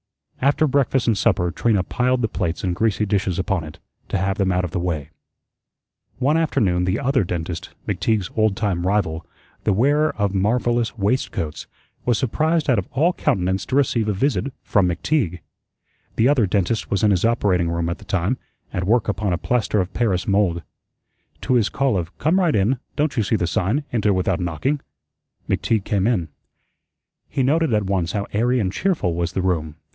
After breakfast and supper Trina piled the plates and greasy dishes upon it to have them out of the way. One afternoon the Other Dentist, McTeague's old time rival, the wearer of marvellous waistcoats, was surprised out of all countenance to receive a visit from McTeague. The Other Dentist was in his operating room at the time, at work upon a plaster of paris mould. To his call of "'Come right in. Don't you see the sign, 'Enter without knocking'?" McTeague came in. He noted at once how airy and cheerful was the room.